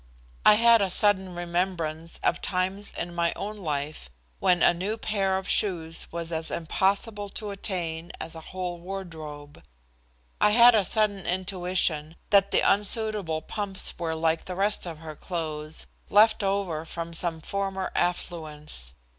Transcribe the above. I had a sudden remembrance of times in my own life when a new pair of shoes was as impossible to attain as a whole wardrobe. I had a sudden intuition that the unsuitable pumps were like the rest of her clothes, left over from some former affluence.